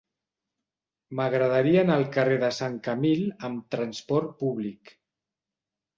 M'agradaria anar al carrer de Sant Camil amb trasport públic.